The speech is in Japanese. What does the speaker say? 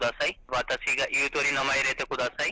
私が言うとおり名前入れてください。